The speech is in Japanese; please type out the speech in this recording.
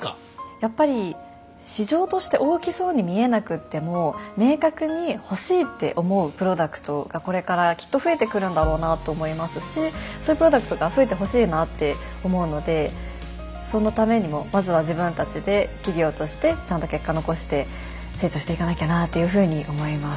やっぱり市場として大きそうに見えなくっても明確に「欲しい」って思うプロダクトがこれからきっと増えてくるんだろうなと思いますしそういうプロダクトが増えてほしいなって思うのでそのためにもまずは自分たちで企業としてちゃんと結果残して成長していかなきゃなというふうに思います。